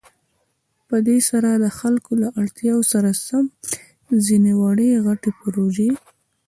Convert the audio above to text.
په دې سره د خلكو له اړتياوو سره سم ځينې وړې او غټې پروژې